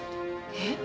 えっ？